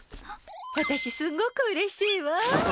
私すっごくうれしいわ！